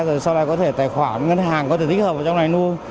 rồi sau này có thể tài khoản ngân hàng có thể tích hợp vào trong này mua